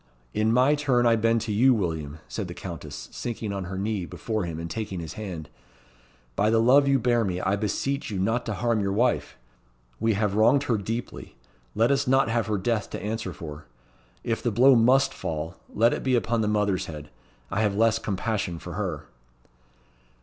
"In my turn I bend to you, William," said the Countess, sinking on her knee before him, and taking his hand. "By the love you bear me, I beseech you not to harm your wife! We have wronged her deeply let us not have her death to answer for. If the blow must fall, let it be upon the mother's head. I have less compassion for her."